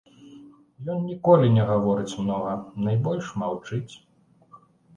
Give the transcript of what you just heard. Ён ніколі не гаворыць многа, найбольш маўчыць.